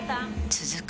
続く